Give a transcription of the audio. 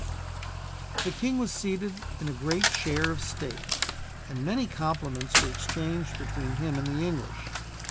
The king was seated in a great chair of state, and many compliments were exchanged between him and the English.